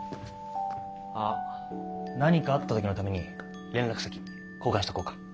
あっ何かあった時のために連絡先交換しとこうか。